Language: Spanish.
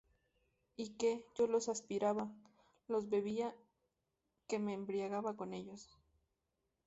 y que yo los aspiraba, los bebía, que me embriagaba con ellos...